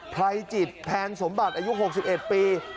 ไพรจิตแพนสมบัติอายุ๖๑ปี